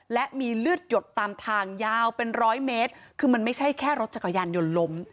และมีเลือดหยดตามทางยาวเป็นร้อยเมตรคือมันไม่ใช่แค่รถจักรยานยนต์ล้ม